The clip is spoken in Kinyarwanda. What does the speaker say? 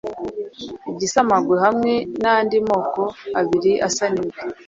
igisamagwe hamwe n’andi moko abiri asa n’ingwe